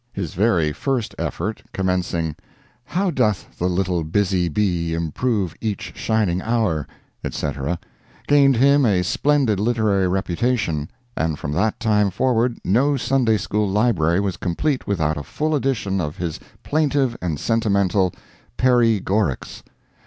His very first effort, commencing: "How doth the little busy bee Improve each shining hour," etc. gained him a splendid literary reputation, and from that time forward no Sunday school library was complete without a full edition of his plaintive and sentimental "Perry Gorics."